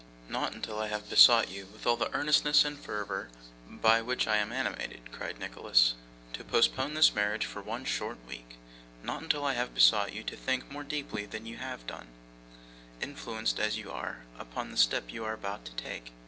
'Not until I have besought you, with all the earnestness and fervour by which I am animated,' cried Nicholas, 'to postpone this marriage for one short week. Not until I have besought you to think more deeply than you can have done, influenced as you are, upon the step you are about to take.